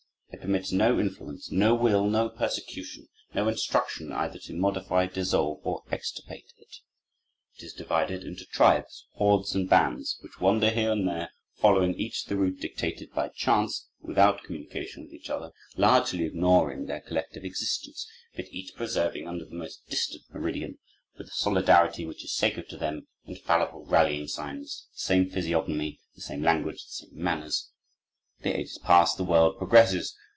It permits no influence, no will, no persecution, no instruction either to modify, dissolve, or extirpate it. It is divided into tribes, hordes, and bands which wander here and there, following each the route dictated by chance, without communication with each other, largely ignoring their collective existence, but each preserving, under the most distant meridian, with a solidarity which is sacred to them, infallible rallying signs, the same physiognomy, the same language, the same manners.... The ages pass. The world progresses.